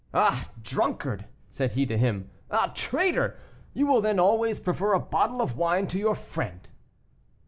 "Ah! drunkard!" said he to him, "ah! traitor! you will then always prefer a bottle of wine to your friend.